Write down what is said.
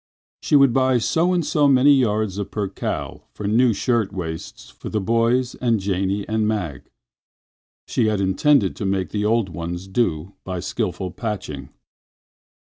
She would buy so and so many yards of percale for new shirt waists for the boys and Janie and Mag. She had intended to make the old ones do by skilful patching.